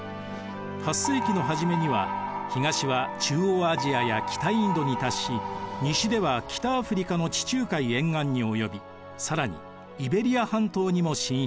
８世紀の初めには東は中央アジアや北インドに達し西では北アフリカの地中海沿岸に及び更にイベリア半島にも進出。